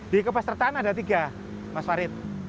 di kepesertaan ada tiga mas farid